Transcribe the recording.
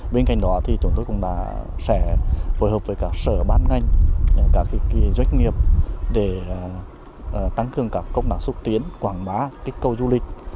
bên cạnh đó thì chúng tôi cũng đã phối hợp với các sở bán ngành các doanh nghiệp để tăng cường các công đoạn xúc tiến quảng bá kích cầu du lịch